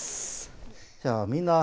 じゃあみんなあ。